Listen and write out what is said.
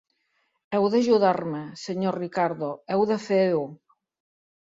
Heu d'ajudar-me, Sr. Ricardo, heu de fer-ho!